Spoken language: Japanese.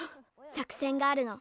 作せんがあるの。